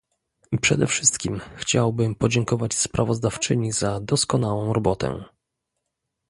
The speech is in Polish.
Przede wszystkim chciałbym podziękować sprawozdawczyni za doskonałą robotę